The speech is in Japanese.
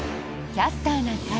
「キャスターな会」。